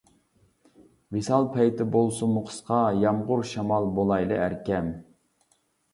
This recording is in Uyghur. ۋىسال پەيتى بولسىمۇ قىسقا، يامغۇر، شامال بولايلى ئەركەم.